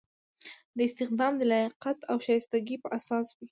دا استخدام د لیاقت او شایستګۍ په اساس وي.